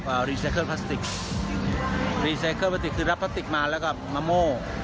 พลาสติกพลาสติกคือรับพลาสติกมาแล้วก็มาโม่